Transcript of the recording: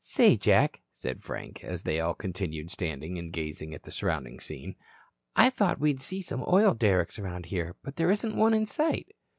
"Say, Jack," said Frank, as they all continued standing and gazing at the surrounding scene, "I thought we'd see some oil derricks around here. But there isn't one in sight."